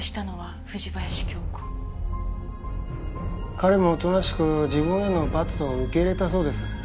彼もおとなしく自分への罰を受け入れたそうです。